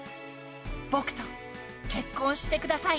僕と結婚してください。